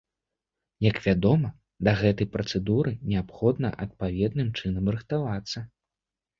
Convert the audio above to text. Як вядома, да гэтай працэдуры неабходна адпаведным чынам рыхтавацца.